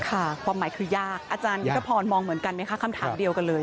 ความหมายคือยากอาจารยุทธพรมองเหมือนกันไหมคะคำถามเดียวกันเลย